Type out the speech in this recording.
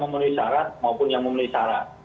yang memilih syarat maupun yang memilih syarat